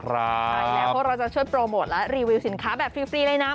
ใช่แล้วพวกเราจะช่วยโปรโมทและรีวิวสินค้าแบบฟรีเลยนะ